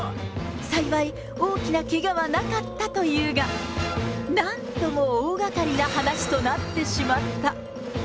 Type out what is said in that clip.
幸い、大きなけがはなかったというが、なんとも大がかりな話となってしまった。